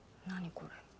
何これ？